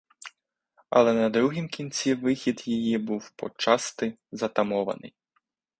Але на другім кінці вихід її був почасти затамований.